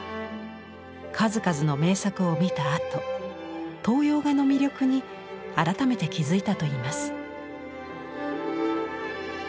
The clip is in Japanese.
数々の名作を見たあと東洋画の魅力に改めて気付いたといいます。